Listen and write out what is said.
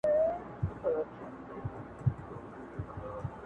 د ھــجر شپه ډېره اوږده شوه، شوګـــــــــیرې وخوړم